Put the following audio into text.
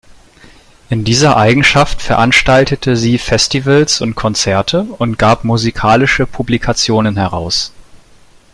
In dieser Eigenschaft veranstaltete sie Festivals und Konzerte und gab musikalische Publikationen heraus.